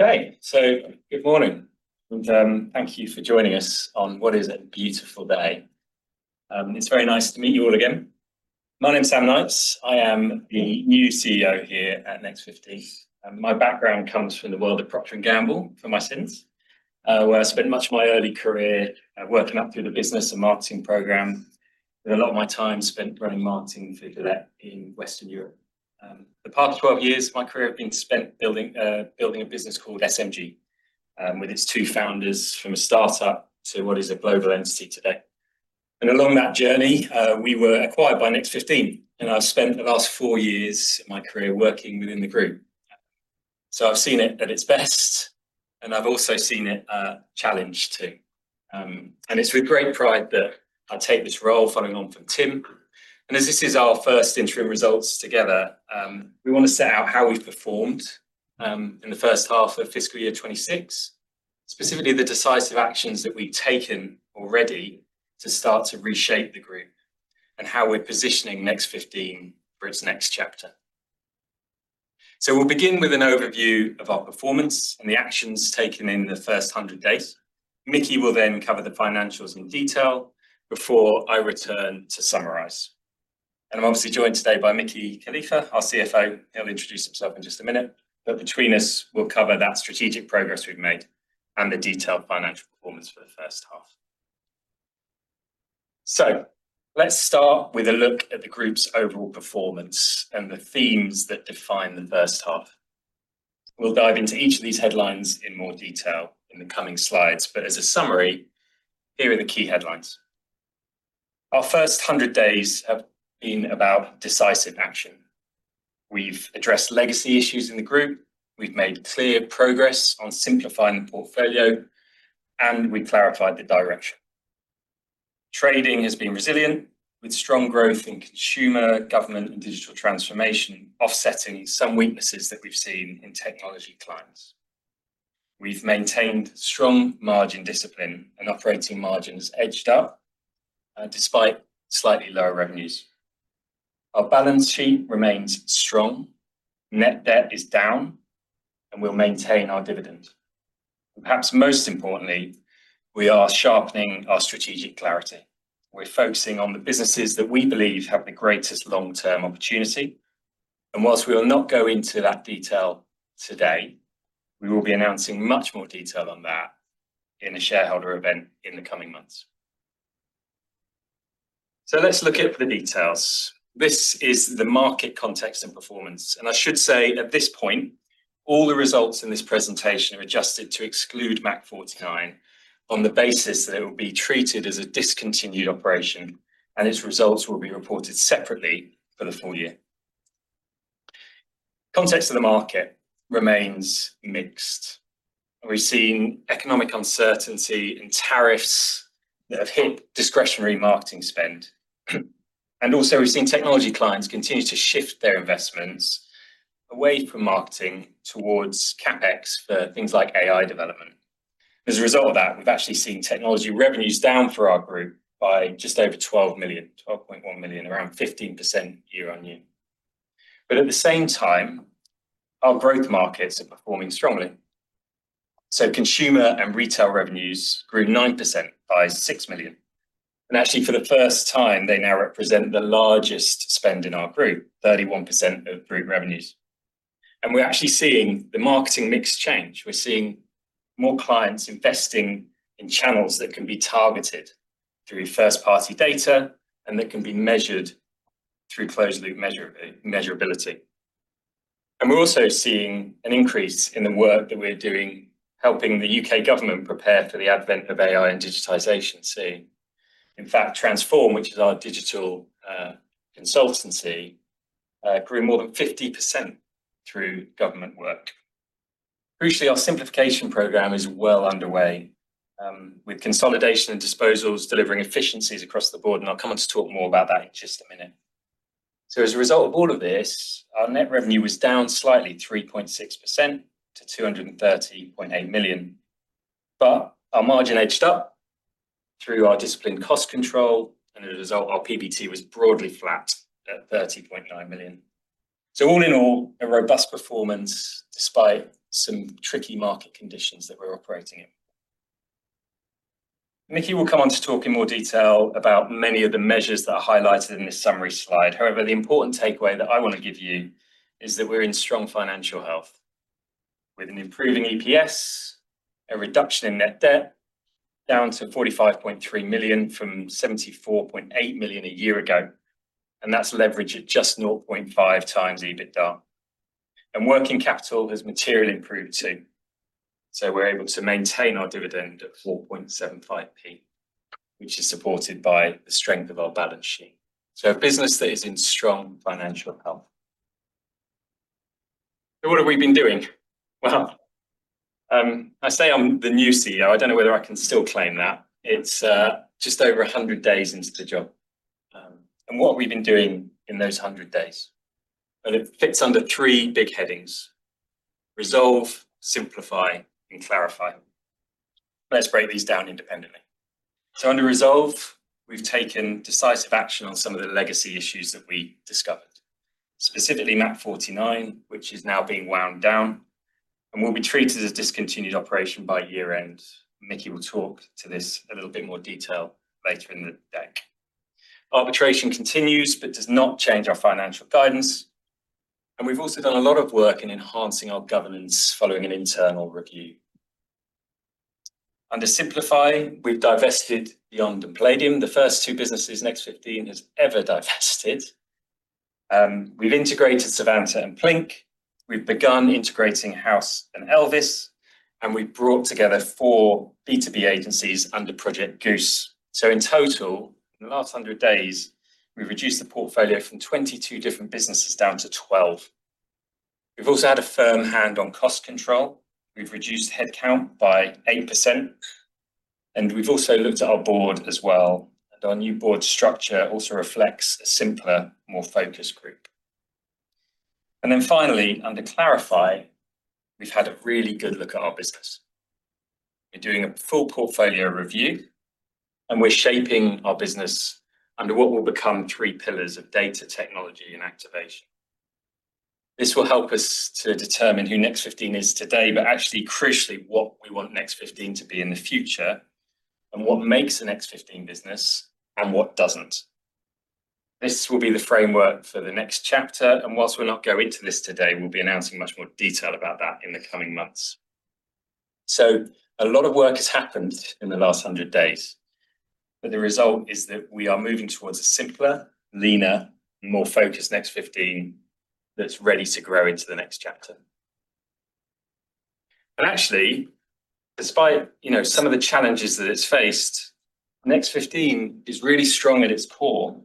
Okay, so good morning, and thank you for joining us on what is a beautiful day. It's very nice to meet you all again. My name is Sam Knights. I am the new CEO here at Next 15. My background comes from the world of Procter & Gamble, where I spent much of my early career working up through the business and marketing program. A lot of my time spent running marketing through to that in Western Europe. The past 12 years, my career has been spent building a business called SMG. Here are the key headlines. Our first 100 days have been about decisive action. We've addressed legacy issues in the group. We've made clear progress on simplifying the portfolio, and we've clarified the direction. Trading has been resilient with strong growth in consumer, government, and digital transformation, offsetting some weaknesses that we've seen in technology clients. We've maintained strong margin discipline and operating margins edged up despite slightly lower revenues. Our balance sheet remains strong, net debt is down, and we'll maintain our dividend. Perhaps most importantly, we are sharpening our strategic clarity. We're focusing on the businesses that we believe have the greatest long-term opportunity. Whilst we will not go into that detail today, we will be announcing much more detail on that in the shareholder event in the coming months. Let's look at the details. This is the market context and performance. I should say at this point, all the results in this presentation are adjusted to exclude MAC49 on the basis that it will be treated as a discontinued operation, and its results will be reported separately for the full year. Context of the market remains mixed. We've seen economic uncertainty in tariffs that have hit discretionary marketing spend. We've also seen technology clients continue to shift their investments away from marketing towards CapEx for things like AI development. As a result of that, we've actually seen technology revenues down for our group by just over £12 million, £12.1 million, around 15% year on year. At the same time, our growth markets are performing strongly. Consumer and retail revenues grew 9% by £6 million. For the first time, they now represent the largest spend in our group, 31% of group revenues. We're actually seeing the marketing mix change. We're seeing more clients investing in channels that can be targeted through first-party data and that can be measured through closed-loop measurability. We're also seeing an increase in the work that we're doing, helping the UK government prepare for the advent of AI and digitization. In fact, Transform, which is our digital consultancy, grew more than 50% through government work. Crucially, our simplification program is well underway with consolidation and disposals delivering efficiencies across the board. I'll come on to talk more about that in just a minute. As a result of all of this, our net revenue was down slightly, 3.6% to £230.8 million. Our margin edged up through our disciplined cost control, and as a result, our PBT was broadly flat at £30.9 million. All in all, a robust performance despite some tricky market conditions that we're operating in. Mickey will come on to talk in more detail about many of the measures that are highlighted in this summary slide. The important takeaway that I want to give you is that we're in strong financial health with an improving EPS, a reduction in net debt down to £45.3 million from £74.8 million a year ago. That's leveraged at just 0.5 times EBITDA and working capital has materially improved too. We're able to maintain our dividend at £4.75, which is supported by the strength of our balance sheet. A business that is in strong financial health. What have we been doing? I'm the new CEO. I don't know whether I can still claim that. It's just over 100 days into the job. What have we been doing in those 100 days? It fits under three big headings: resolve, simplify, and clarify. Let's break these down independently. Under resolve, we've taken decisive action on some of the legacy issues that we discovered, specifically MAC49, which is now being wound down and will be treated as a discontinued operation by year-end. Mickey will talk to this in a little bit more detail later in the day. Arbitration continues but does not change our financial guidance. We've also done a lot of work in enhancing our governance following an internal review. Under simplifying, we've divested BYND and Palladium, the first two businesses Next 15 has ever divested. We've integrated Savanta and Plinc. We've begun integrating House 337 and Elvis, and we've brought together four B2B agencies under Project Goose. In total, in the last 100 days, we've reduced the portfolio from 22 different businesses down to 12. We've also had a firm hand on cost control. We've reduced headcount by 8%. We've also looked at our board as well. Our new board structure also reflects a simpler, more focused group. Finally, under clarify, we've had a really good look at our business. We're doing a full portfolio review and we're shaping our business under what will become three pillars of data, technology, and activation. This will help us to determine who Next 15 is today, but actually crucially, what we want Next 15 to be in the future and what makes a Next 15 business and what doesn't. This will be the framework for the next chapter. Whilst we'll not go into this today, we'll be announcing much more detail about that in the coming months. A lot of work has happened in the last 100 days, but the result is that we are moving towards a simpler, leaner, more focused Next 15 that's ready to grow into the next chapter. Actually, despite some of the challenges that it's faced, Next 15 is really strong at its core.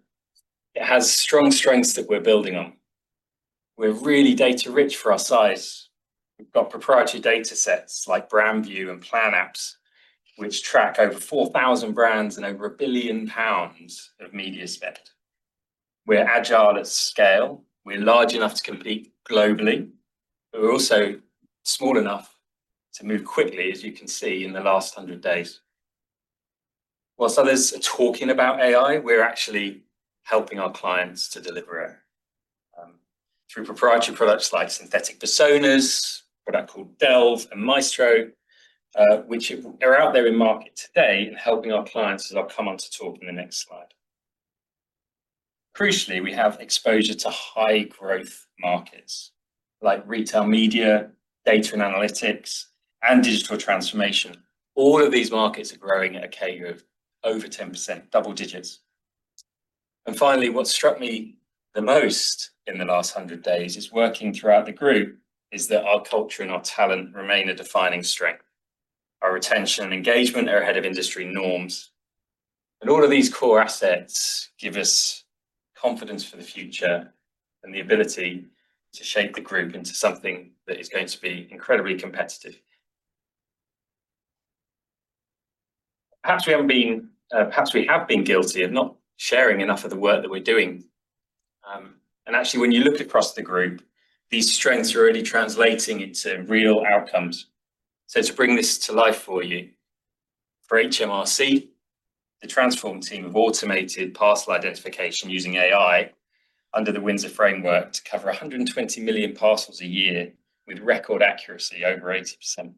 It has strong strengths that we're building on. We're really data-rich for our size. We've got proprietary data sets like BrandView and PlanApps, which track over 4,000 brands and over £1 billion of media spend. We're agile at scale. We're large enough to compete globally, but we're also small enough to move quickly, as you can see in the last 100 days. Whilst others are talking about AI, we're actually helping our clients to deliver through proprietary products like synthetic personas, what I call Delve and Maestro, which are out there in market today and helping our clients as I'll come on to talk in the next slide. Crucially, we have exposure to high-growth markets like retail media, data and analytics, and digital transformation. All of these markets are growing at a CAGR of over 10%, double digits. Finally, what struck me the most in the last 100 days is working throughout the group is that our culture and our talent remain a defining strength. Our retention and engagement are ahead of industry norms. All of these core assets give us confidence for the future and the ability to shape the group into something that is going to be incredibly competitive. Perhaps we have been guilty of not sharing enough of the work that we're doing. Actually, when you look across the group, these strengths are already translating into real outcomes. To bring this to life for you, for HMRC, the Transform team have automated parcel identification using AI under the Windsor framework to cover 120 million parcels a year with record accuracy over 80%.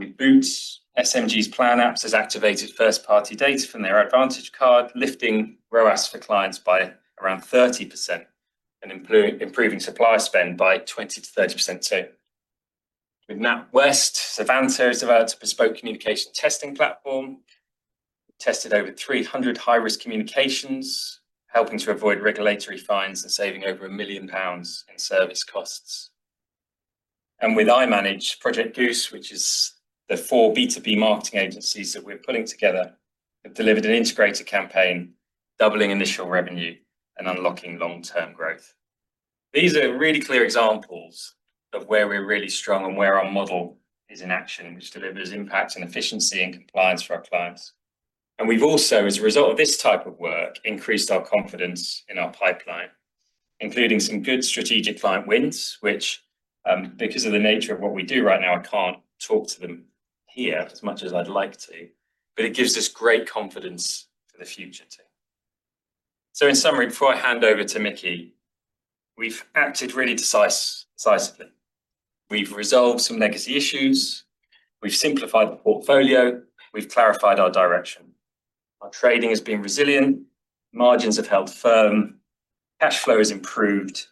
With Boots, SMG's PlanApps has activated first-party data from their Advantage card, lifting ROAS for clients by around 30% and improving supply spend by 20%-30% too. With NatWest, Savanta, it's about a bespoke communication testing platform. Tested over 300 high-risk communications, helping to avoid regulatory fines and saving over £1 million in service costs. With I Manage, Project Goose, which is the four B2B marketing agencies that we're pulling together, have delivered an integrated campaign, doubling initial revenue and unlocking long-term growth. These are really clear examples of where we're really strong and where our model is in action, which delivers impact, efficiency, and compliance for our clients. We have also, as a result of this type of work, increased our confidence in our pipeline, including some good strategic client wins, which, because of the nature of what we do right now, I can't talk to them here as much as I'd like to, but it gives us great confidence for the future too. In summary, before I hand over to Mickey, we've acted really decisively. We've resolved some legacy issues. We've simplified the portfolio. We've clarified our direction. Our trading has been resilient. Margins have held firm. Cash flow has improved.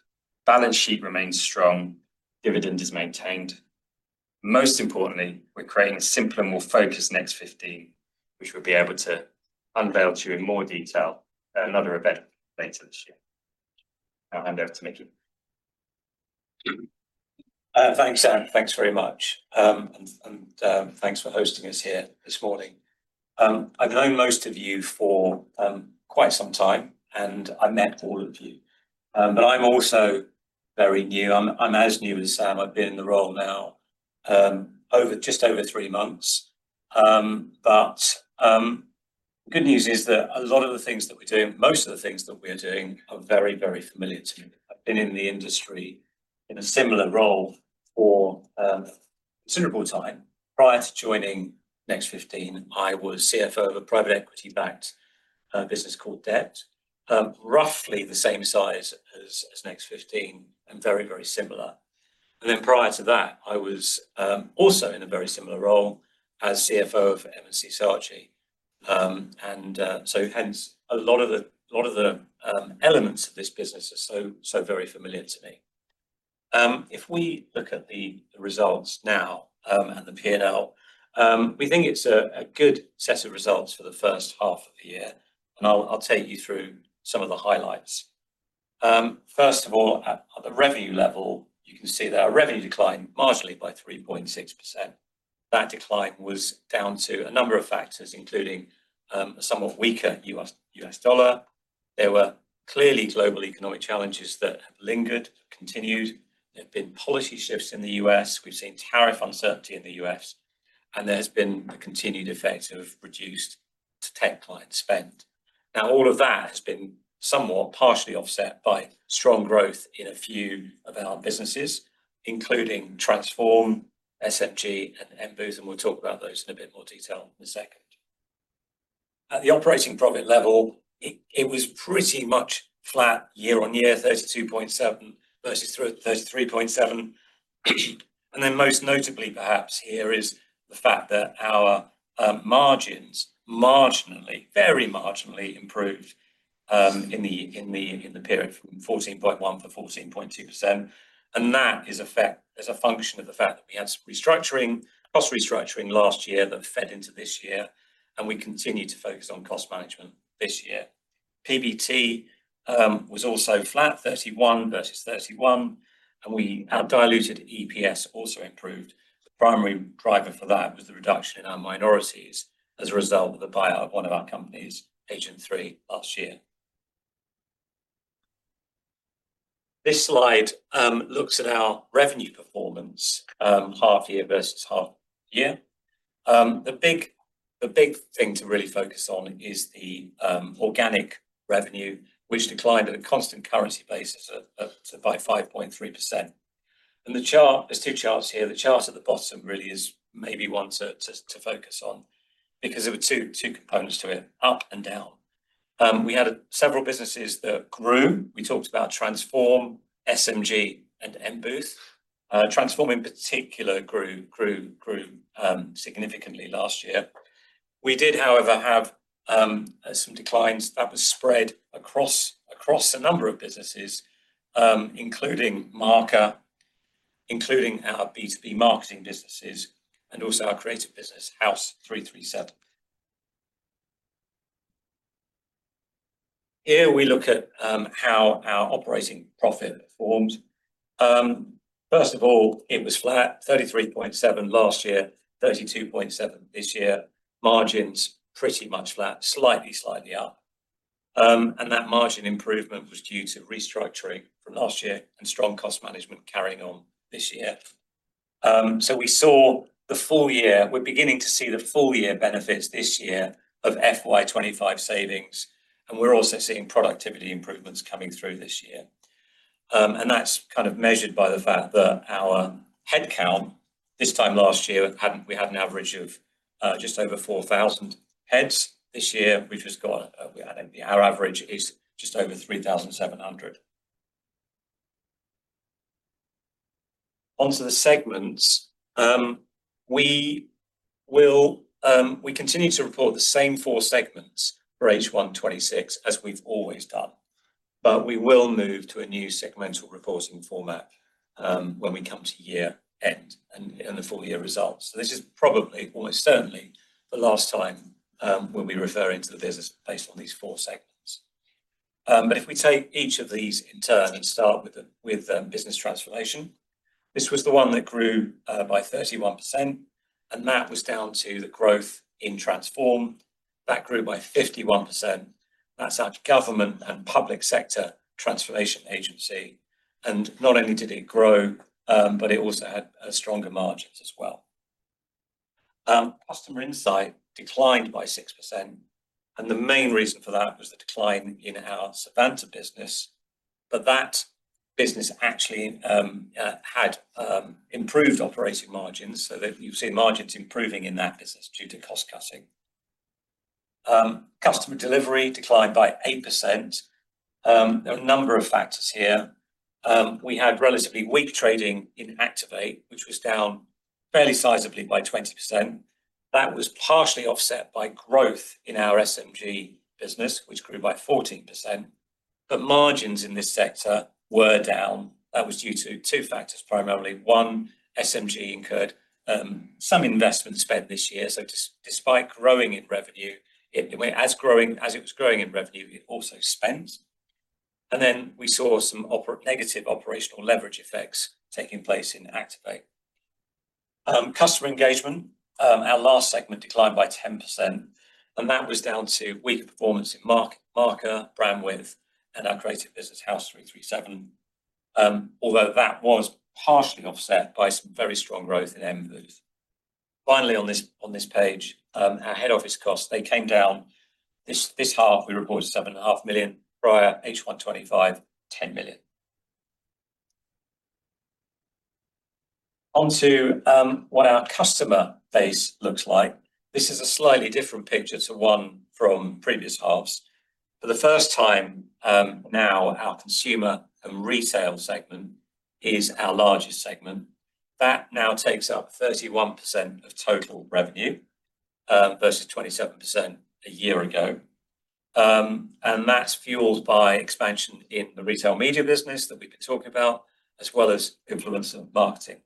Balance sheet remains strong. Dividend is maintained. Most importantly, we're creating a simpler, more focused Next 15, which we'll be able to unveil to you in more detail at another event later this year. I'll hand over to Mickey. Thanks, Sam. Thanks very much. Thanks for hosting us here this morning. I've known most of you for quite some time, and I've met all of you. I'm also very new. I'm as new as Sam. I've been in the role now just over three months. The good news is that a lot of the things that we're doing, most of the things that we're doing, are very, very familiar to me. I've been in the industry in a similar role for considerable time. Prior to joining Next 15 Group plc, I was CFO of a private equity-backed business called Dept, roughly the same size as Next 15 Group plc and very, very similar. Prior to that, I was also in a very similar role as CFO of M&C Saatchi. Hence, a lot of the elements of this business are so very familiar to me. If we look at the results now and the P&L, we think it's a good set of results for the first half of the year. I'll take you through some of the highlights. First of all, at the revenue level, you can see that our revenue declined marginally by 3.6%. That decline was down to a number of factors, including a somewhat weaker U.S. dollar. There were clearly global economic challenges that have lingered, continued. There have been policy shifts in the U.S. We've seen tariff uncertainty in the U.S. There's been the continued effect of reduced client spend. All of that has been somewhat partially offset by strong growth in a few of our businesses, including Transform, SMG, and M Booth. We'll talk about those in a bit more detail in a second. At the operating profit level, it was pretty much flat year on year, 32.7% versus 33.7%. Most notably, perhaps, here is the fact that our margins marginally, very marginally improved in the period from 14.1% to 14.2%. That is a function of the fact that we had some restructuring, cost restructuring last year that fed into this year. We continued to focus on cost management this year. PBT was also flat, 31% versus 31%. Our diluted EPS also improved. The primary driver for that was the reduction in our minorities as a result of the buyout of one of our companies, Agent3, last year. This slide looks at our revenue performance half year versus half year. The big thing to really focus on is the organic revenue, which declined at a constant currency basis by 5.3%. The chart, there's two charts here. The chart at the bottom really is maybe one to focus on because there were two components to it, up and down. We had several businesses that grew. We talked about Transform, SMG, and M Booth. Transform, in particular, grew significantly last year. We did, however, have some declines that were spread across a number of businesses, including Marker, including our B2B marketing businesses, and also our creative business, House 337. Here we look at how our operating profit formed. First of all, it was flat, 33.7% last year, 32.7% this year. Margins pretty much flat, slightly, slightly up. That margin improvement was due to restructuring from last year and strong cost management carrying on this year. We saw the full year, we're beginning to see the full year benefits this year of FY 2025 savings. We're also seeing productivity improvements coming through this year. That's kind of measured by the fact that our headcount this time last year, we had an average of just over 4,000 heads. This year, we've just got, our average is just over 3,700. Onto the segments. We continue to report the same four segments for H126 as we've always done. We will move to a new segmental reporting format when we come to year-end and the full year results. This is probably almost certainly the last time when we're referring to the business based on these four segments. If we take each of these in turn and start with business transformation, this was the one that grew by 31%. That was down to the growth in Transform. That grew by 51%. That's our government and public sector transformation agency. Not only did it grow, it also had stronger margins as well. Customer insight declined by 6%. The main reason for that was the decline in our Savanta business. That business actually had improved operating margins. You've seen margins improving in that business due to cost cutting. Customer delivery declined by 8%. There are a number of factors here. We had relatively weak trading in Activate, which was down fairly sizably by 20%. That was partially offset by growth in our SMG business, which grew by 14%. Margins in this sector were down. That was due to two factors primarily. One, SMG incurred some investment spend this year. Despite growing in revenue, as it was growing in revenue, it also spent. We saw some negative operational leverage effects taking place in Activate. Customer engagement, our last segment, declined by 10%. That was down to weaker performance in Marker, Brandwidth, and our creative business House 337. Although that was partially offset by some very strong growth in M Booth. Finally, on this page, our head office costs, they came down. This half, we reported £7.5 million. Prior H1 2025, £10 million. Onto what our customer base looks like. This is a slightly different picture to one from previous halves. For the first time now, our consumer and retail segment is our largest segment. That now takes up 31% of total revenue versus 27% a year ago. That's fueled by expansion in the retail media business that we've been talking about, as well as influence of marketing.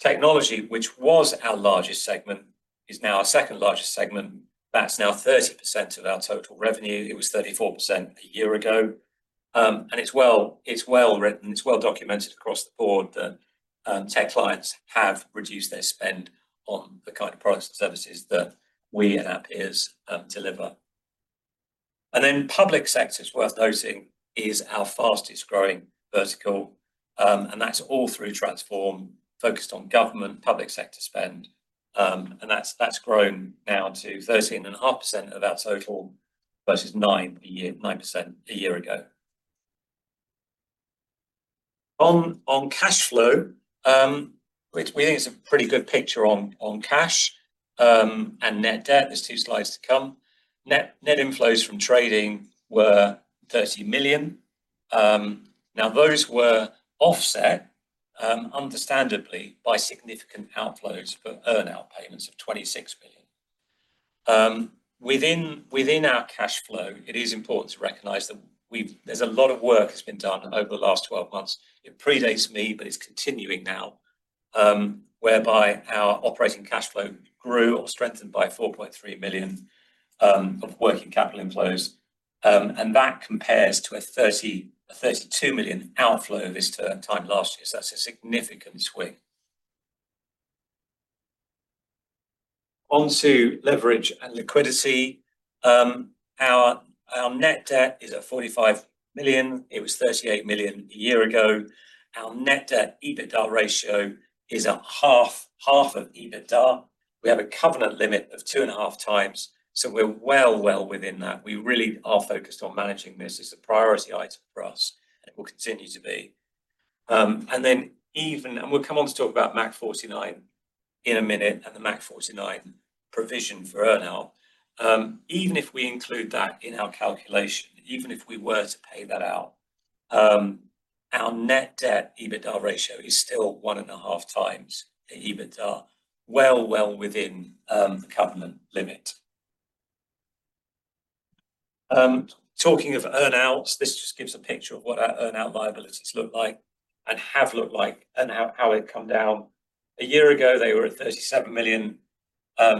Technology, which was our largest segment, is now our second largest segment. That's now 30% of our total revenue. It was 34% a year ago. It's well written. It's well documented across the board that tech clients have reduced their spend on the kind of products and services that we and our peers deliver. Public sector, it's worth noting, is our fastest growing vertical. That's all through Transform, focused on government, public sector spend. That's grown now to 13.5% of our total versus 9% a year ago. On cash flow, we think it's a pretty good picture on cash and net debt. There's two slides to come. Net inflows from trading were £30 million. Those were offset, understandably, by significant outflows for earnout payments of £26 million. Within our cash flow, it is important to recognize that there's a lot of work that's been done over the last 12 months. It predates me, but it's continuing now, whereby our operating cash flow grew or strengthened by £4.3 million of working capital inflows. That compares to a £32 million outflow this time last year. That's a significant swing. Onto leverage and liquidity, our net debt is at £45 million. It was £38 million a year ago. Our net debt EBITDA ratio is at half of EBITDA. We have a covenant limit of 2.5x. We're well, well within that. We really are focused on managing this. It's a priority item for us. We'll continue to be. Even, and we'll come on to talk about MAC49 in a minute and the MAC49 provision for earnout. Even if we include that in our calculation, even if we were to pay that out, our net debt EBITDA ratio is still 1.5x EBITDA, well, well within the covenant limit. Talking of earnouts, this just gives a picture of what our earnout liabilities look like and have looked like and how they've come down. A year ago, they were at £37 million.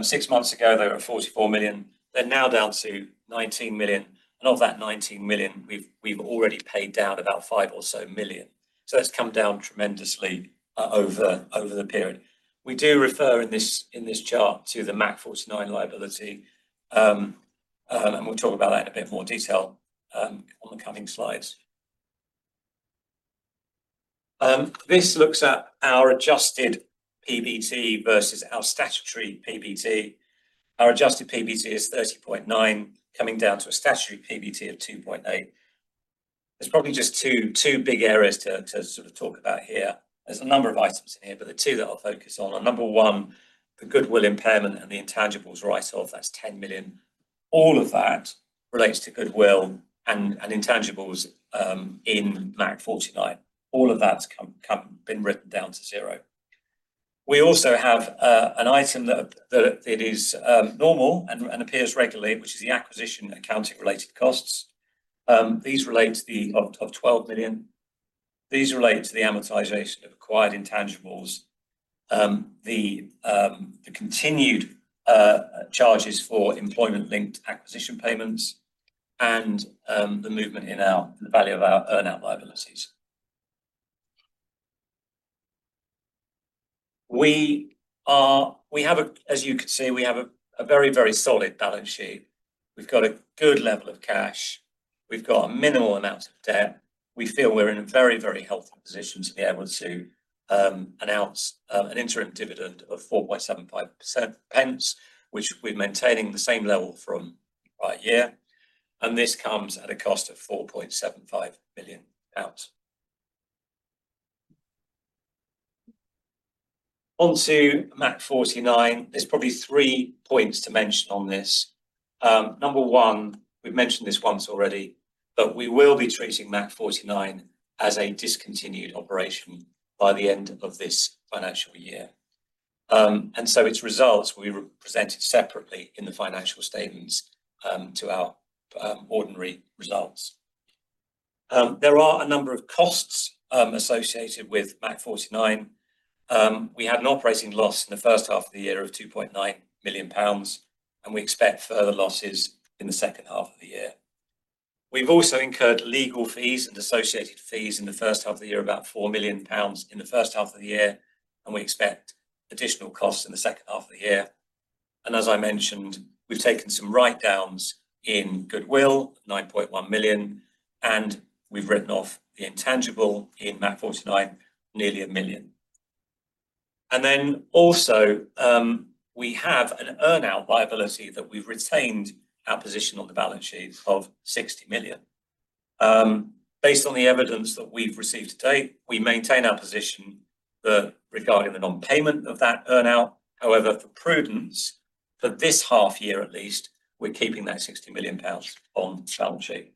Six months ago, they were at £44 million. They're now down to £19 million. Of that £19 million, we've already paid down about £5 million or so. That's come down tremendously over the period. We do refer in this chart to the MAC49 liability, and we'll talk about that in a bit more detail on the coming slides. This looks at our adjusted PBT versus our statutory PBT. Our adjusted PBT is £30.9 million, coming down to a statutory PBT of £2.8 million. There's probably just two big areas to sort of talk about here. There's a number of items in here, but the two that I'll focus on are, number one, the goodwill impairment and the intangibles write-off. That's £10 million. All of that relates to goodwill and intangibles in MAC49. All of that's been written down to zero. We also have an item that is normal and appears regularly, which is the acquisition accounting related costs. These relate to the £12 million. These relate to the amortization of acquired intangibles, the continued charges for employment-linked acquisition payments, and the movement in the value of our earnout liabilities. As you can see, we have a very, very solid balance sheet. We've got a good level of cash. We've got a minimal amount of debt. We feel we're in a very, very helpful position to be able to announce an interim dividend of 4.75%, which we're maintaining at the same level from prior year. This comes at a cost of £4.75 million out. Onto MAC49, there's probably three points to mention on this. Number one, we've mentioned this once already, but we will be treating MAC49 as a discontinued operation by the end of this financial year, and so its results will be represented separately in the financial statements to our ordinary results. There are a number of costs associated with MAC49. We had an operating loss in the first half of the year of £2.9 million, and we expect further losses in the second half of the year. We've also incurred legal fees and associated fees in the first half of the year, about £4 million in the first half of the year, and we expect additional costs in the second half of the year. As I mentioned, we've taken some write-downs in goodwill, £9.1 million, and we've written off the intangible in MAC49, nearly £1 million. We also have an earnout liability that we've retained our position on the balance sheet of £60 million. Based on the evidence that we've received to date, we maintain our position regarding the non-payment of that earnout. However, for prudence, for this half year at least, we're keeping that £60 million on the balance sheet.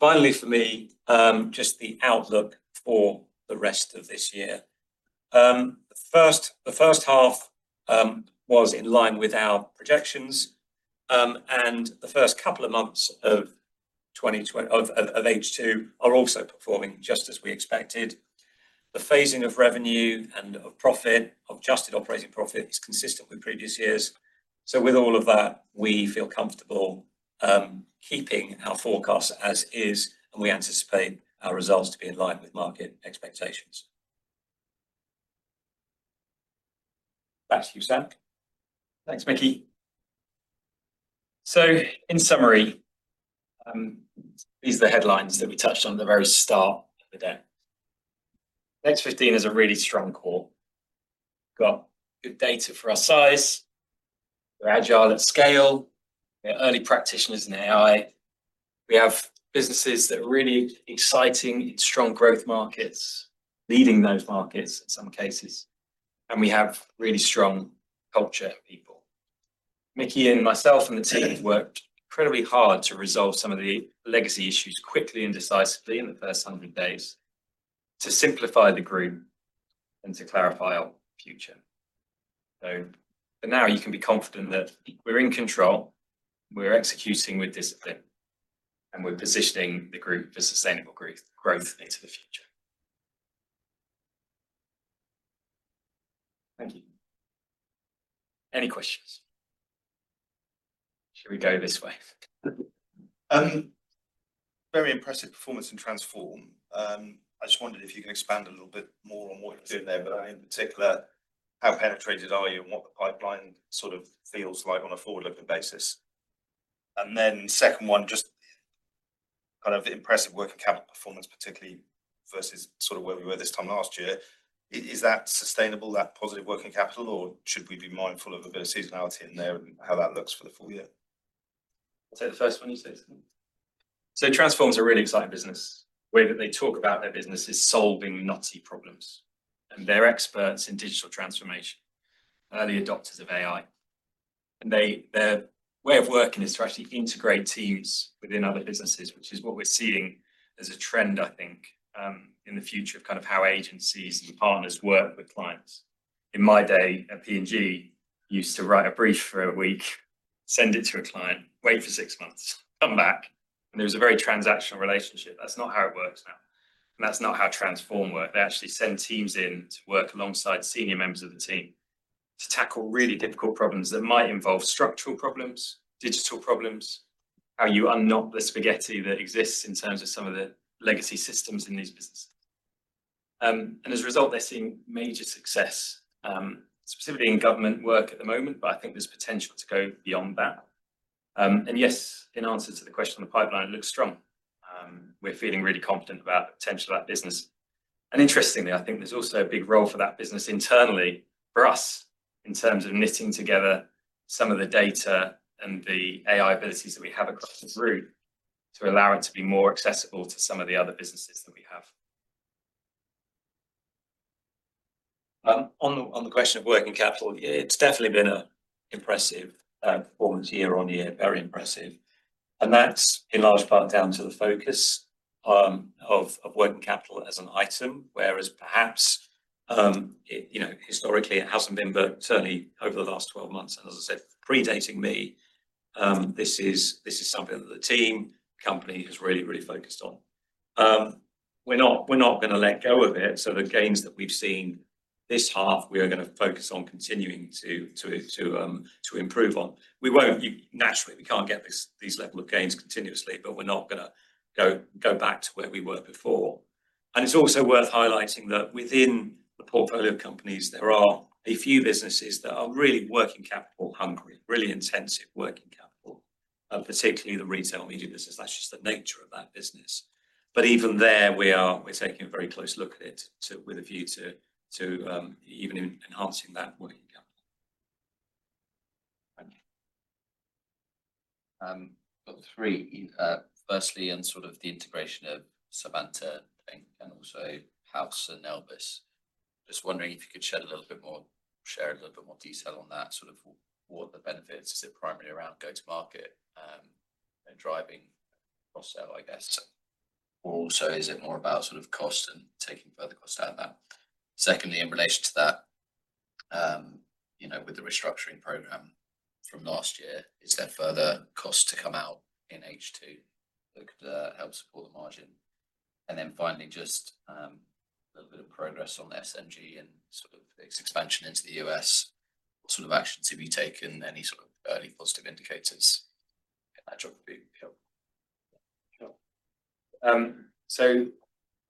Finally, for me, just the outlook for the rest of this year. The first half was in line with our projections, and the first couple of months of H2 are also performing just as we expected. The phasing of revenue and of profit, of adjusted operating profit, is consistent with previous years. With all of that, we feel comfortable keeping our forecast as is, and we anticipate our results to be in line with market expectations. Back to you, Sam. Thanks, Mickey. In summary, these are the headlines that we touched on at the very start of the day. Next 15 Group plc has a really strong core. We've got good data for our size. We're agile at scale. We're early practitioners in AI. We have businesses that are really exciting in strong growth markets, leading those markets in some cases. We have really strong culture people. Mickey and myself and the team have worked incredibly hard to resolve some of the legacy issues quickly and decisively in the first 100 days to simplify the group and to clarify our future. For now, you can be confident that we're in control, we're executing with discipline, and we're positioning the group for sustainable growth into the future. Any questions? Should we go this way? Very impressive performance in Transform. I just wondered if you can expand a little bit more on what was in there, but in particular, how penetrated are you and what the pipeline sort of feels like on a forward-looking basis? The second one, just kind of the impressive working capital performance, particularly versus sort of where we were this time last year. Is that sustainable, that positive working capital, or should we be mindful of a bit of seasonality in there and how that looks for the full year? Transform is a really exciting business. The way that they talk about their business is solving nutty problems. They're experts in digital transformation, early adopters of AI, and their way of working is to actually integrate teams within other businesses, which is what we're seeing as a trend, I think, in the future of how agencies and partners work with clients. In my day, P&G used to write a brief for a week, send it to a client, wait for six months, come back, and it was a very transactional relationship. That's not how it works now, and that's not how Transform works. They actually send teams in to work alongside senior members of the team to tackle really difficult problems that might involve structural problems, digital problems, how you unknock the spaghetti that exists in terms of some of the legacy systems in these businesses. As a result, they're seeing major success, specifically in government work at the moment, but I think there's potential to go beyond that. Yes, in answer to the question on the pipeline, it looks strong. We're feeling really confident about the potential of that business. Interestingly, I think there's also a big role for that business internally for us in terms of knitting together some of the data and the AI abilities that we have across the room to allow it to be more accessible to some of the other businesses that we have. On the question of working capital, yeah, it's definitely been an impressive performance year on year, very impressive. That's in large part down to the focus of working capital as an item, whereas perhaps, you know, historically, it hasn't been, but certainly over the last 12 months, and as I said, predating me, this is something that the team, the company is really, really focused on. We're not going to let go of it. The gains that we've seen this half, we are going to focus on continuing to improve on. We won't, naturally, we can't get these levels of gains continuously, but we're not going to go back to where we were before. It's also worth highlighting that within the portfolio of companies, there are a few businesses that are really working capital hungry, really intensive working capital, particularly the retail media business. That's just the nature of that business. Even there, we're taking a very close look at it with a view to even enhancing that. Firstly, on the integration of Savanta and also House 337 and Elvis, I'm just wondering if you could shed a little bit more, share a little bit more detail on that, what the benefits are. Is it primarily around go-to-market and driving cross-sale, I guess? Or is it more about cost and taking further cost out of that? Secondly, in relation to that, with the restructuring program from last year, is there further cost to come out in H2 that could help support the margin? Finally, just a little bit of progress on SMG and its expansion into the U.S. What sort of action is to be taken, any early positive indicators in that job?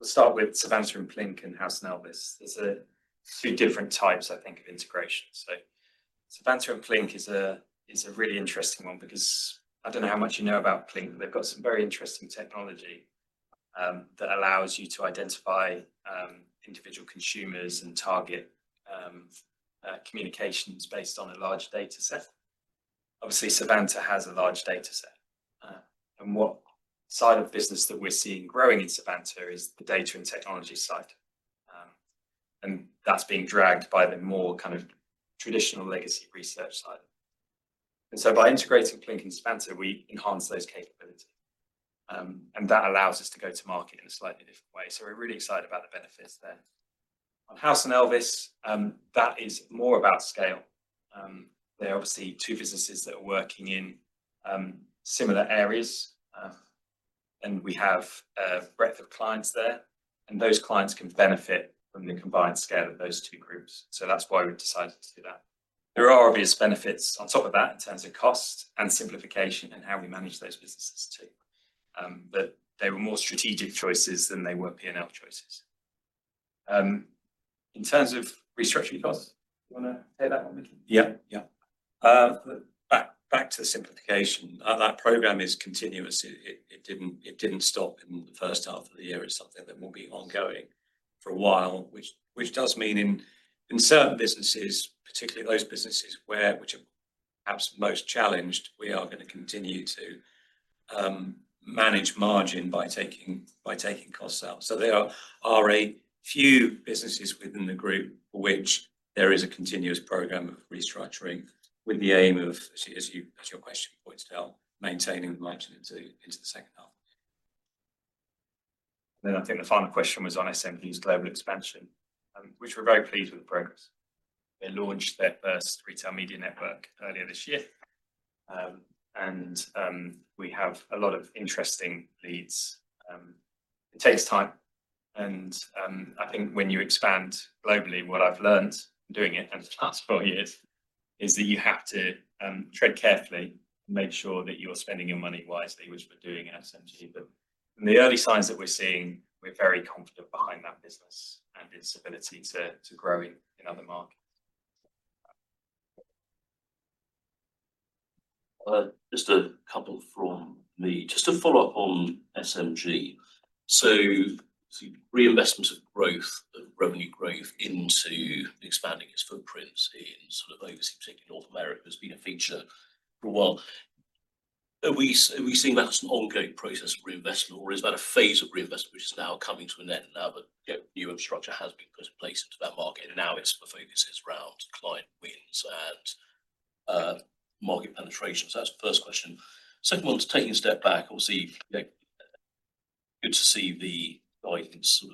Let's start with Savanta and Plinc and House and Elvis. There are two different types, I think, of integration. Savanta and Plinc is a really interesting one because I don't know how much you know about Plinc. They've got some very interesting technology that allows you to identify individual consumers and target communications based on a large data set. Obviously, Savanta has a large data set. What side of business that we're seeing growing in Savanta is the data and technology side. That's being dragged by the more kind of traditional legacy research side. By integrating Plinc and Savanta, we enhance those capabilities. That allows us to go to market in a slightly different way. We're really excited about the benefits there. On House and Elvis, that is more about scale. They're obviously two businesses that are working in similar areas. We have a breadth of clients there, and those clients can benefit from the combined scale of those two groups. That's why we've decided to do that. There are obvious benefits on top of that in terms of cost and simplification and how we manage those businesses too. They were more strategic choices than they were P&L choices. In terms of restructuring costs, do you want to hear that one, Mickey? Yeah, yeah. Back to the simplification, that program is continuous. It didn't stop in the first half of the year. It's something that will be ongoing for a while, which does mean in certain businesses, particularly those businesses which are perhaps most challenged, we are going to continue to manage margin by taking costs out. There are a few businesses within the group for which there is a continuous program of restructuring with the aim of, as your question points out, maintaining the margin into the second half. I think the final question was on SMG's global expansion, which we're very pleased with the progress. They launched their first retail media network earlier this year, and we have a lot of interesting leads. It takes time. I think when you expand globally, what I've learned in doing it over the last four years is that you have to tread carefully and make sure that you're spending your money wisely, which we're doing at SMG. In the early signs that we're seeing, we're very confident behind that business and its ability to grow in other markets. Just a couple from the, just to follow up on SMG. Reinvestment of growth, revenue growth into expanding its footprints in sort of overseas, particularly North America, has been a feature for a while. Are we seeing that as an ongoing process of reinvestment, or is that a phase of reinvestment which is now coming to an end? Now the new infrastructure has been put in place into that market, and now it sort of focuses around client wins and market penetration. That's the first question. Second one is taking a step back. Obviously, it's good to see the rise in sort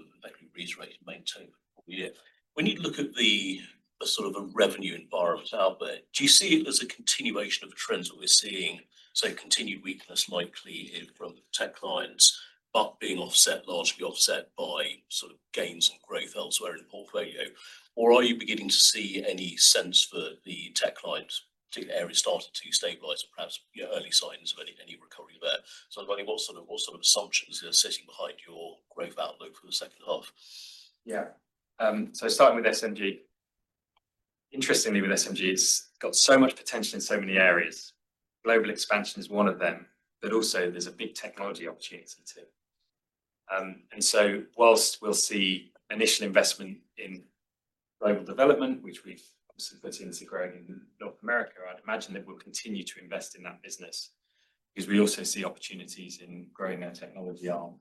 of reasonable maintenance. When you look at the sort of revenue environment out there, do you see it as a continuation of the trends that we're seeing? Continued weakness likely from tech clients, but being largely offset by sort of gains and growth elsewhere in the portfolio? Are you beginning to see any sense for the tech clients, particularly in areas starting to stabilize and perhaps early signs of any recovery there? I'm wondering what sort of assumptions are sitting behind your growth outlook for the second half. Yeah. Starting with SMG, interestingly, with SMG, it's got so much potential in so many areas. Global expansion is one of them, but also there's a big technology opportunity too. Whilst we'll see initial investment in global development, which we've put into growing in North America, I'd imagine that we'll continue to invest in that business because we also see opportunities in growing their technology arm.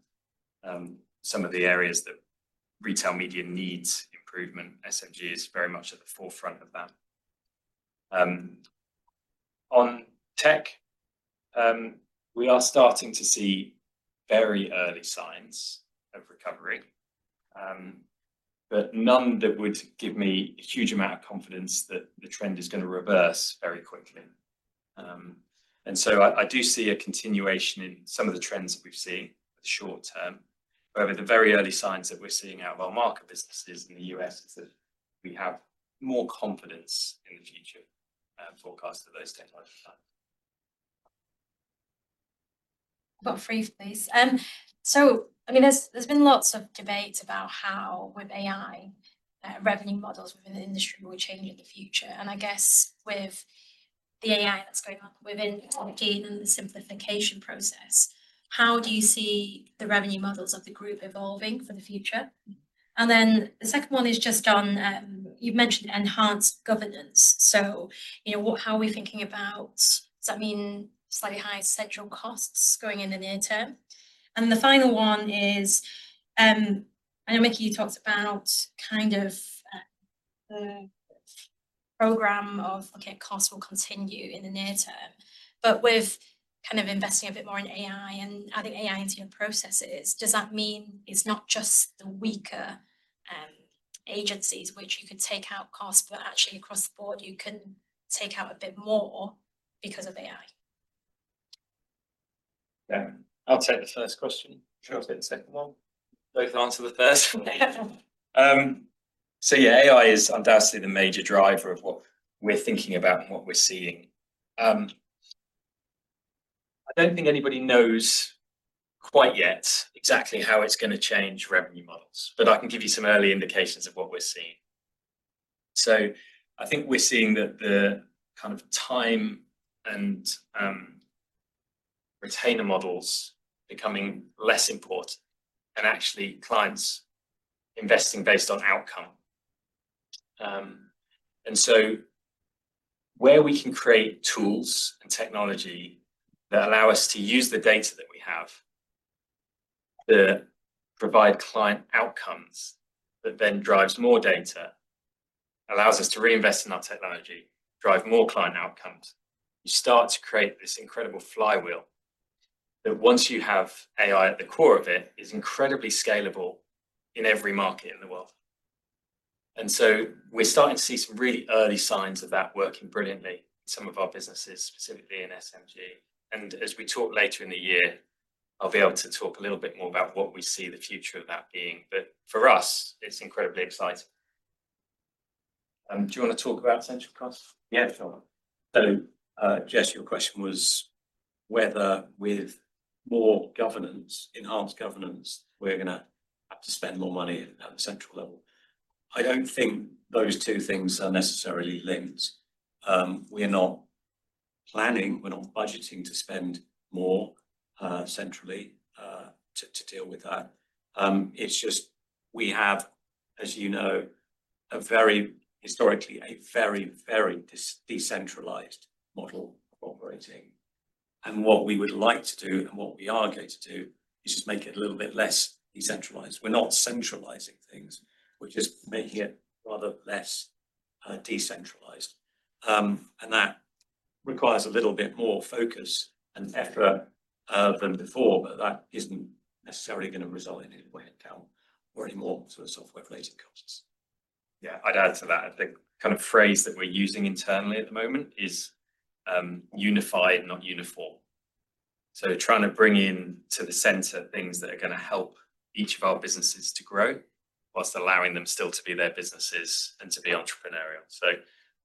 Some of the areas that retail media needs improvement, SMG is very much at the forefront of that. On tech, we are starting to see very early signs of recovery, but none that would give me a huge amount of confidence that the trend is going to reverse very quickly. I do see a continuation in some of the trends we've seen short term. However, the very early signs that we're seeing out of our market businesses in the U.S. is that we have more confidence in the future forecasts for those technologies. Got three, please. There's been lots of debate about how with AI, revenue models within the industry will change in the future. I guess with the AI that's going up within the company, and the simplification process, how do you see the revenue models of the group evolving for the future? The second one is just on, you've mentioned enhanced governance. How are we thinking about, does that mean slightly higher central costs going in the near term? The final one is, I know Mickey talks about kind of the program of, okay, costs will continue in the near term. With kind of investing a bit more in AI and adding AI into your processes, does that mean it's not just the weaker agencies which you could take out costs, but actually across the board, you can take out a bit more because of AI? I'll take the first question. Can I take the second one? Both answer the first. AI is undoubtedly the major driver of what we're thinking about and what we're seeing. I don't think anybody knows quite yet exactly how it's going to change revenue models, but I can give you some early indications of what we're seeing. We're seeing that the kind of time and retainer models are becoming less important and actually clients are investing based on outcome. Where we can create tools and technology that allow us to use the data that we have to provide client outcomes that then drive more data, it allows us to reinvest in our technology and drive more client outcomes. You start to create this incredible flywheel that, once you have AI at the core of it, is incredibly scalable in every market in the world. We're starting to see some really early signs of that working brilliantly in some of our businesses, specifically in SMG. As we talk later in the year, I'll be able to talk a little bit more about what we see the future of that being. For us, it's incredibly exciting. Do you want to talk about central costs? Yeah, sure. Jess, your question was whether with more governance, enhanced governance, we're going to have to spend more money at a central level. I don't think those two things are necessarily linked. We're not planning, we're not budgeting to spend more centrally to deal with that. It's just we have, as you know, historically, a very, very decentralized model operating. What we would like to do and what we are going to do is just make it a little bit less decentralized. We're not centralizing things. We're just making it rather less decentralized. That requires a little bit more focus and effort than before, but that isn't necessarily going to result in any way down or any more sort of software-related costs. Yeah, I'd add to that. I think the kind of phrase that we're using internally at the moment is unified, not uniform. Trying to bring into the center things that are going to help each of our businesses to grow whilst allowing them still to be their businesses and to be entrepreneurial.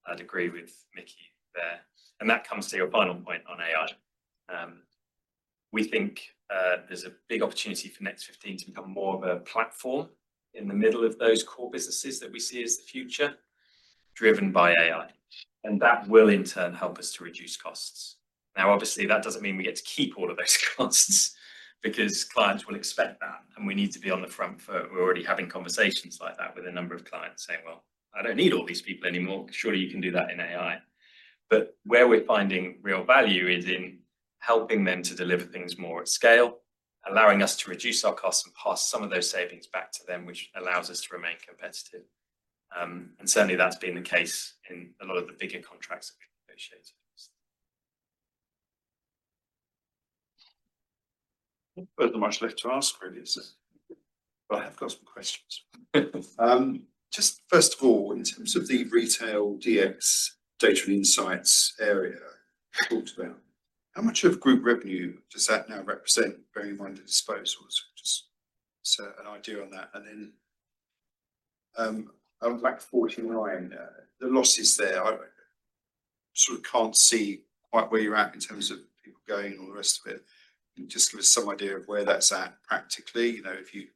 I'd agree with Mickey there. That comes to your final point on AI. We think there's a big opportunity for Next 15 to become more of a platform in the middle of those core businesses that we see as the future, driven by AI. That will, in turn, help us to reduce costs. Obviously, that doesn't mean we get to keep all of those costs because clients will expect that. We need to be on the front foot. We're already having conversations like that with a number of clients saying, I don't need all these people anymore. Surely you can do that in AI. Where we're finding real value is in helping them to deliver things more at scale, allowing us to reduce our costs and pass some of those savings back to them, which allows us to remain competitive. Certainly, that's been the case in a lot of the bigger contracts that we've negotiated. Not much left to ask, really. I have got some questions. Just first of all, in terms of the retail DX data insights area we talked about, how much of group revenue does that now represent where you might disposal? Just an idea on that. On MAC49, the losses there, I sort of can't see quite where you're at in terms of people going and all the rest of it. Just give us some idea of where that's at practically. If you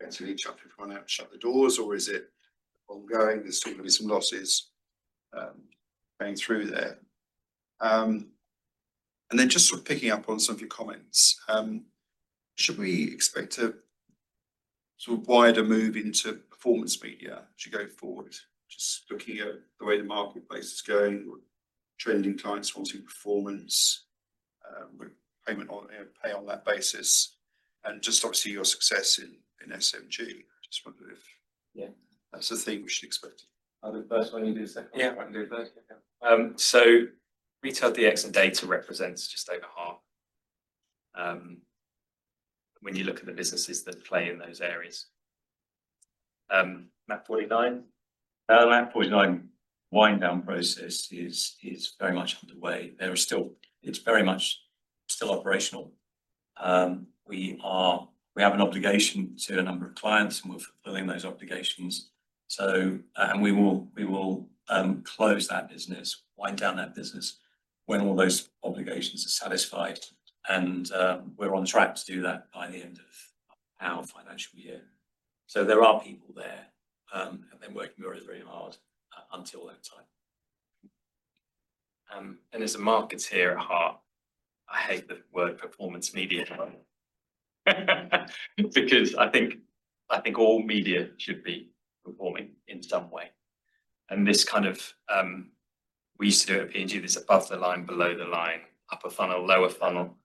go through the chapter from an outshot the doors, or is it ongoing? There's still going to be some losses going through there. Just sort of picking up on some of your comments, should we expect a sort of wider move into performance media to go forward? Just looking at the way the marketplace is going, trending titles in performance, payment on pay on that basis, and just obviously your success in SMG. Yeah. That's the thing we should expect. I'll do the first one. You do, sir. Yeah, I can do the first. Retail DX and data represents just over half when you look at the businesses that play in those areas. MAC49 wind-down process is very much underway. It is very much still operational. We have an obligation to a number of clients, and we're fulfilling those obligations. We will close that business, wind down that business when all those obligations are satisfied. We're on track to do that by the end of our financial year. There are people there, and working really, really hard until that time. As a markets here at heart, I hate the word performance media because I think all media should be performing in some way. This kind of, we used to do it at P&G, this above the line, below the line, upper funnel, lower funnel.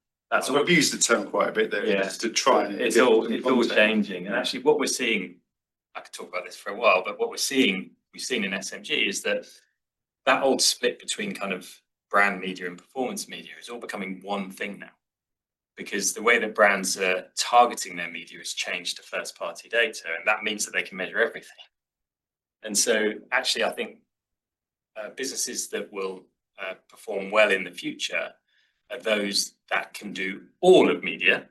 We've used the term quite a bit there to try and. It's all changing. Actually, what we're seeing, I could talk about this for a while, but what we're seeing in SMG is that that old split between kind of brand media and performance media is all becoming one thing now. The way that brands are targeting their media has changed to first-party data, and that means that they can measure everything. Actually, I think businesses that will perform well in the future are those that can do all of media,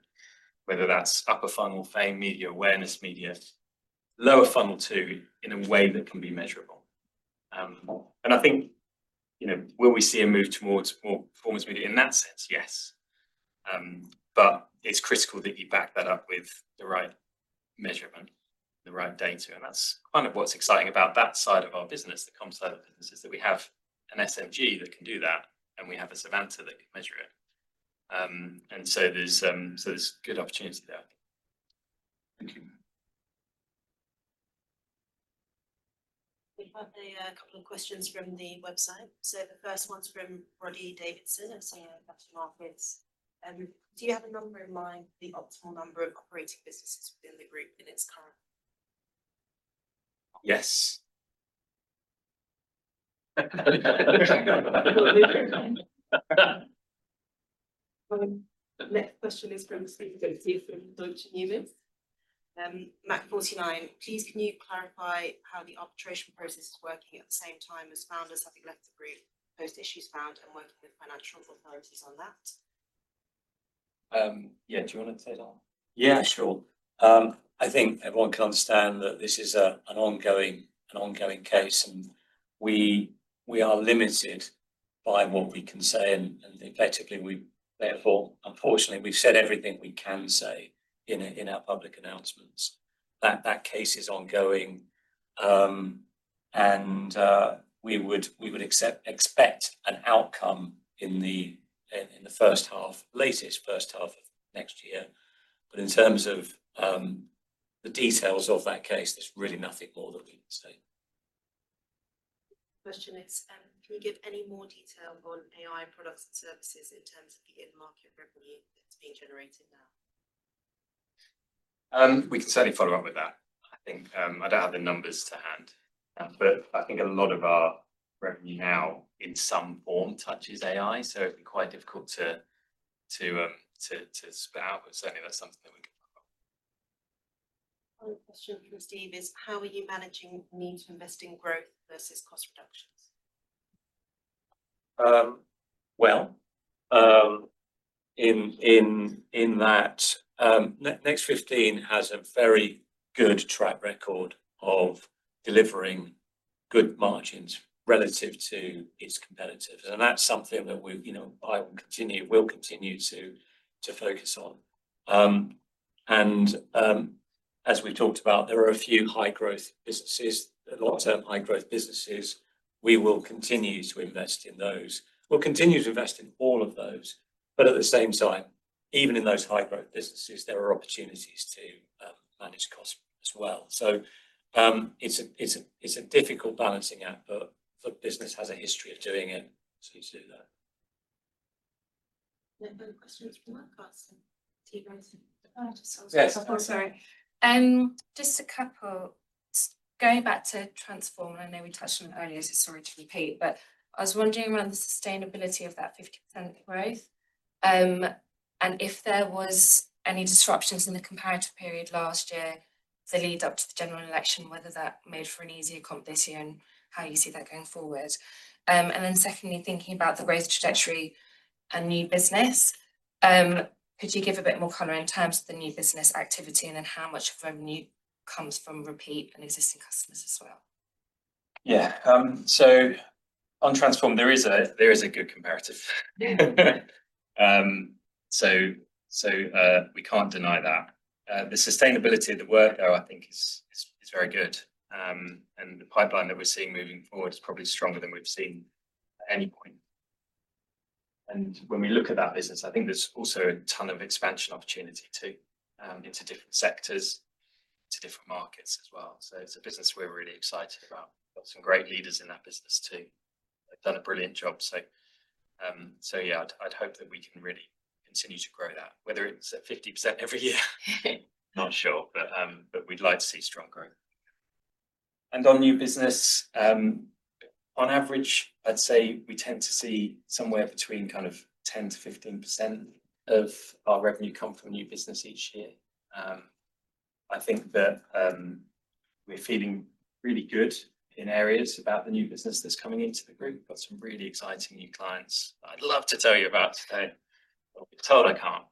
whether that's upper funnel, fame media, awareness media, lower funnel too, in a way that can be measurable. I think, you know, will we see a move towards more performance media in that sense? Yes. It's critical that you back that up with the right measurement and the right data. That's kind of what's exciting about that side of our business, the comms side of the business, is that we have an SMG that can do that, and we have a Savanta that can measure it. There's good opportunity there. I've got a couple of questions from the website. The first one's from Roddy Davidson at Singer Capital Markets. Do you have a number in mind for the optimal number of operating businesses within the group in its current? Yes. Next question is from [Steve Gentry] from [Deutsche Möbel]. MAC49, please can you clarify how the arbitration process is working at the same time as founders having left the group post-issues bound and working with financial authorities on that? Do you want to take that? Yeah, sure. I think everyone can understand that this is an ongoing case, and we are limited by what we can say. Effectively, we've therefore, unfortunately, said everything we can say in our public announcements. That case is ongoing, and we would expect an outcome in the first half, latest first half of next year. In terms of the details of that case, there's really nothing more that we can say. Question, can you give any more detail on AI products and services in terms of the in-market revenue that's being generated now? We can certainly follow up with that. I think I don't have the numbers to hand, but I think a lot of our revenue now in some form touches AI, so it'd be quite difficult to spit out, but certainly that's something that we can talk about. Question 15 is, how are you managing need to invest in growth versus cost reductions? Next 15 Group plc has a very good track record of delivering good margins relative to its competitors. That's something that we will continue to focus on. As we've talked about, there are a few high-growth businesses, a lot of them high-growth businesses. We will continue to invest in those. We'll continue to invest in all of those. At the same time, even in those high-growth businesses, there are opportunities to manage costs as well. It's a difficult balancing act. The business has a history of doing it. Sorry, just a couple, going back to Transform, and I know we touched on it earlier, so sorry to repeat, but I was wondering around the sustainability of that 50% growth. If there were any disruptions in the comparative period last year, the lead-up to the general election, whether that made for an easier comp this year and how you see that going forward. Secondly, thinking about the growth trajectory and new business, could you give a bit more color in terms of the new business activity and then how much revenue comes from repeat and existing customers as well? Yeah. On Transform, there is a good comparative. We can't deny that. The sustainability of the work, though, I think is very good. The pipeline that we're seeing moving forward is probably stronger than we've seen at any point. When we look at that business, I think there's also a ton of expansion opportunity too. It's in different sectors. It's in different markets as well. It's a business we're really excited about. We've got some great leaders in that business too. They've done a brilliant job. I'd hope that we can really continue to grow that. Whether it's at 50% every year, not sure, but we'd like to see strong growth. On new business, on average, I'd say we tend to see somewhere between 10% to 15% of our revenue come from new business each year. I think that we're feeling really good in areas about the new business that's coming into the group. We've got some really exciting new clients I'd love to tell you about today. I'm told I can't.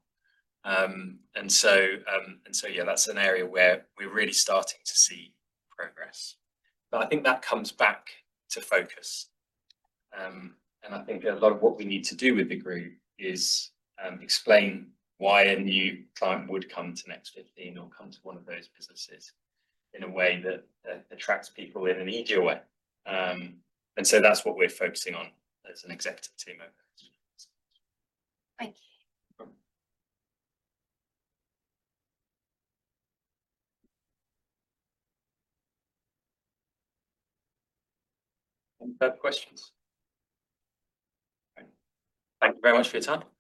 That's an area where we're really starting to see progress. I think that comes back to focus. A lot of what we need to do with the group is explain why a new client would come to Next 15 or come to one of those businesses in a way that attracts people in an easier way. That's what we're focusing on as an executive team over the next few months. Thank you. Any further questions? Thank you very much for your time.